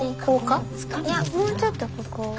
いやもうちょっとここを。